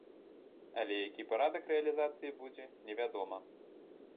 Але які парадак рэалізацыі будзе, невядома.